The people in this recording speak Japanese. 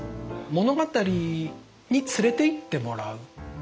物語に連れていってもらう。